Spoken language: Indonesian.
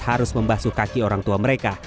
harus membasuh kaki orang tua mereka